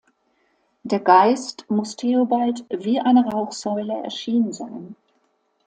Der Geist muss Theobald „wie eine Rauchsäule“ erschienen sein.